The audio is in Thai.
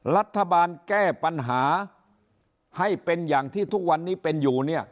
รัฐบาลแก้ปัญหาให้เป็นอย่างที่ทุกวันนี้เป็นอยู่เนี่ย